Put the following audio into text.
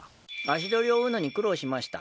足取りを追うのに苦労しました。